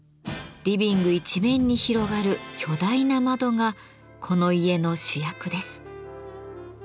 リビング一面に広がる巨大な窓がこの家の主役です。